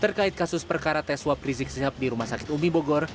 terkait kasus perkara tes swab rizik sihab di rumah sakit umi bogor